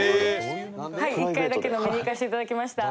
一回だけ飲みに行かせて頂きました。